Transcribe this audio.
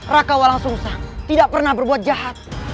raka walang sungsang tidak pernah berbuat jahat